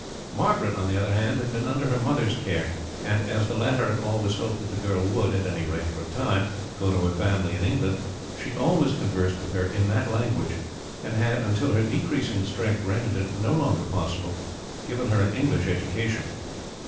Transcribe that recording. Margaret, on the other hand, had been under her mother's care, and as the latter had always hoped that the girl would, at any rate for a time, go to her family in England, she had always conversed with her in that language, and had, until her decreasing strength rendered it no longer possible, given her an English education.